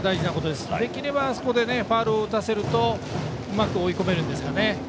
できればあそこでファウルを打たせるとうまく追い込めるんですがね。